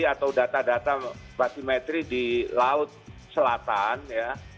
atau data data basimetri di laut selatan ya